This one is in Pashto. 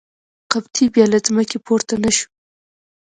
قبطي بیا له ځمکې پورته نه شو.